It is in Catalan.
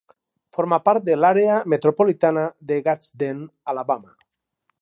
Forma part de l'àrea metropolitana de Gadsden, Alabama.